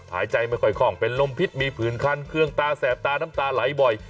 หายใจไม่ค่อยคล่องเป็นลมพิษมีผื่นคันเครื่องตาแสบตาน้ำตาไหลบ่อย